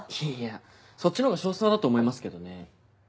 いやそっちのほうが少数派だと思いますけどね。